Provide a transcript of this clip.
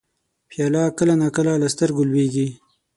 پیاله کله نا کله له سترګو لوېږي.